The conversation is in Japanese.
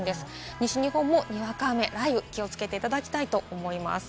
西日本もにわか雨、雷雨に気をつけていただきたいと思います。